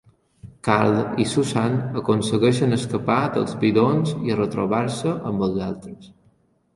Carl i Susan aconsegueixen escapar dels bidons i retrobar-se amb els altres.